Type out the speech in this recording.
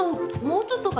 もうちょっと？